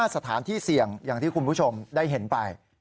สถานที่เสี่ยงอย่างที่คุณผู้ชมได้เห็นไป